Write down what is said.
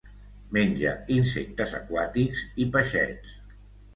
Menja insectes aquàtics i peixets.